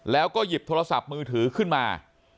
แล้วก็หยิบโทรศัพท์มือถือขึ้นมา